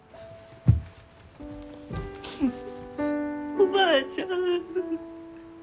おばあちゃん。